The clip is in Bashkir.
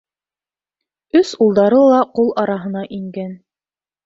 Өс улдары ла ҡул араһына ингән.